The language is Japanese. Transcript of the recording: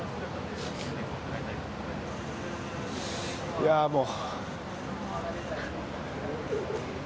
いや、もう。